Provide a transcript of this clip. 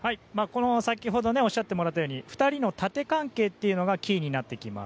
先ほどおっしゃってもらったように２人の縦関係がキーになってきます。